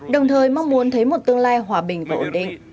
đồng thời mong muốn thấy một tương lai hòa bình và ổn định